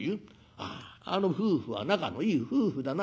『あああの夫婦は仲のいい夫婦だな』